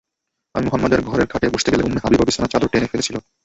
আমি মুহাম্মাদের ঘরের খাটে বসতে গেলে উম্মে হাবীবা বিছানার চাদর টেনে ফেলেছিল।